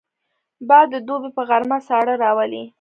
باد د دوبي په غرمه ساړه راولي